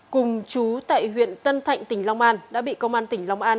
cùng chú tại huyện tân thạnh tỉnh long an đã bị công an tỉnh long an